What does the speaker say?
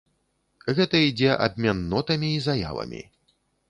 Гэта ідзе абмен нотамі і заявамі.